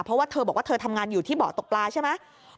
เพราะว่าเธอบอกว่าเธอทำงานอยู่ที่เบาะตกปลาใช่ไหม